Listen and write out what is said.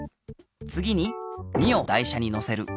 つぎに２を台車にのせる。